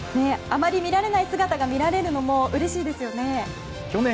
あまり見られない姿が見られるのもうれしいですよね。